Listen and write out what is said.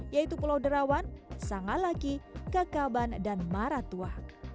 yaitu pulau derawan sangalaki kakaban dan maratua